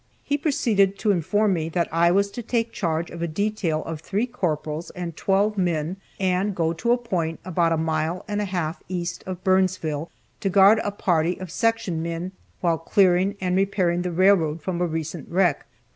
He proceeded to inform me that I was to take charge of a detail of three corporals and twelve men and go to a point about a mile and a half east of Burnsville, to guard a party of section men while clearing and repairing the railroad from a recent wreck.